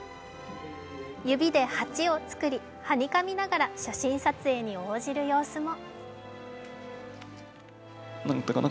指で「８」を作り、はにかみながら写真撮影に応じる様子も。